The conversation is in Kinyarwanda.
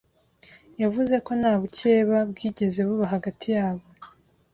yavuze ko nta bukeba bwigeze buba hagati yabo